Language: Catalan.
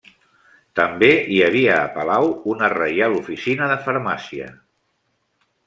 També hi havia a palau una Reial Oficina de Farmàcia.